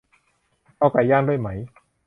เอาไก่ย่างด้วยไหม